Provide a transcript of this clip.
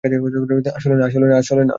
আসলে, না।